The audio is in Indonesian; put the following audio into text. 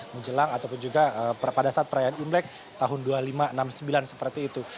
menjelang ataupun juga pada saat perayaan imlek tahun dua ribu lima ratus enam puluh sembilan seperti itu